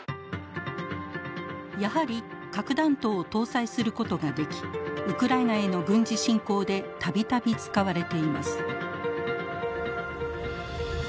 やはり核弾頭を搭載することができウクライナへの軍事侵攻で度々使われています。